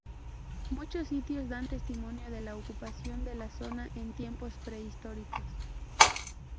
Muchos sitios dan testimonio de la ocupación de la zona en tiempos prehistóricos.